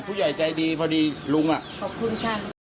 ผู้ใหญ่ใจดีพอดีลุงอ่ะขอบคุณค่ะ